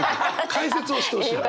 解説をしてほしいのよ。